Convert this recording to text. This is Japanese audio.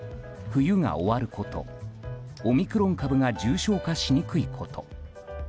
冬が終わること、オミクロン株が重症化しにくいこと。